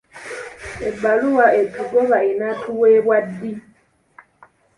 Ebbaluwa etugoba enaatuweebwa ddi?